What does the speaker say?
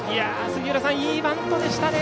杉浦さん、いいバントでしたね。